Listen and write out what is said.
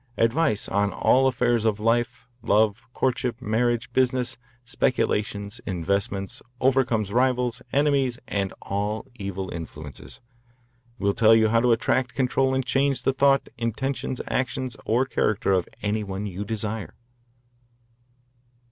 Advice on all affairs of life, love, courtship, marriage, business, speculations, investments. Overcomes rivals, enemies, and all evil influences. Will tell you how to attract, control, and change the thought, intentions, actions, or character of any one you desire.